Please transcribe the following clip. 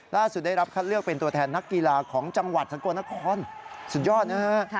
ได้รับคัดเลือกเป็นตัวแทนนักกีฬาของจังหวัดสกลนครสุดยอดนะฮะ